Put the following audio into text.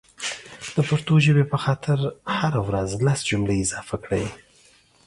دا پښتو ژبې په خاطر هره ورځ لس جملي اضافه کړئ